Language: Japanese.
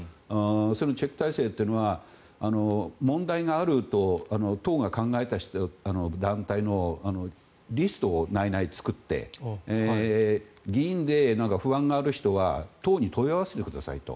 そのチェック体制というのは問題があると党が考えた団体のリストを内々に作って議員で不安がある人は党に問い合わせてくださいと。